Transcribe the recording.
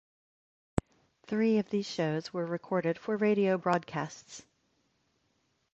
Three of these shows were recorded for radio broadcasts.